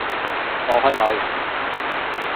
放開佢！